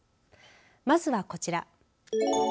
まずはこちら。